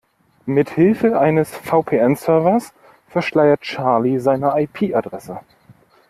Mithilfe eines VPN-Servers verschleiert Charlie seine IP-Adresse.